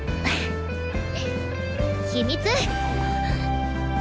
秘密！